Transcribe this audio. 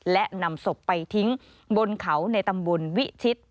และนำสบไปทิ้งบนเขาในตำบรวิชิเช็ท